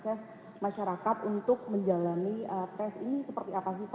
serta kemudian akses masyarakat untuk menjalani tes ini seperti apa sih